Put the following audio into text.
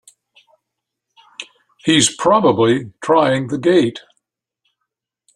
He's probably trying the gate!